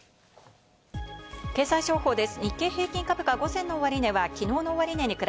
経済情報です。